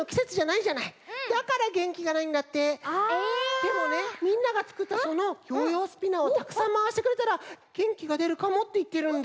でもねみんながつくったそのヨーヨースピナーをたくさんまわしてくれたらげんきがでるかもっていってるんだよ。